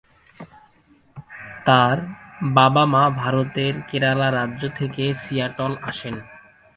তার বাবা-মা ভারতের কেরালা রাজ্য থেকে সিয়াটল আসেন।